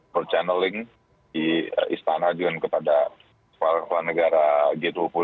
per channeling di istana di antara sebuah negara g dua puluh itu